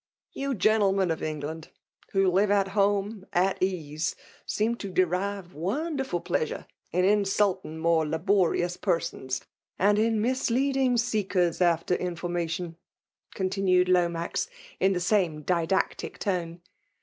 ^'"* You gentlemen of England, who live ^i home at ease/ seem to derive wonderful plea sure in insulting more laborious person/^ and in misleading seekers after information,'/ con tinned Lomax, in the same didactic ^tone.